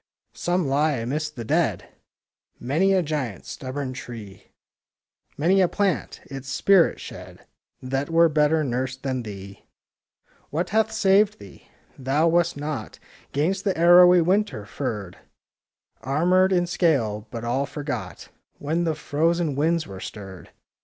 — some lie amidst the dead, (Many a giant, stubborn tree,— 11 12 THE SNOWDROP Many a plant, its spirit shed), That were better nursed than thee! What hath saved thee? Thou wast not 'Gainst the arrowy winter furred,— Armed in scale,— but all forgot When the frozen winds were stirred.